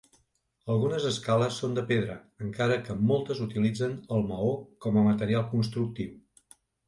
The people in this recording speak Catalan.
Algunes escales són de pedra, encara que moltes utilitzen el maó com a material constructiu.